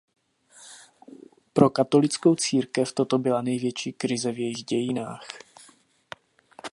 Pro Katolickou církev toto byla největší krize v jejích dějinách.